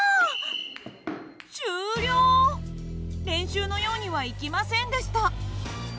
練習のようにはいきませんでした。